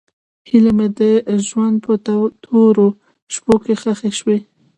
هیلې مې د ژوند په تورو شپو کې ښخې شوې.